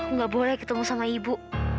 nggak boleh ketemu sama ibu